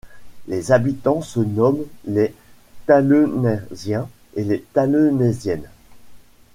Les habitants se nomment les Tallenaysiens et Tallenaysiennes.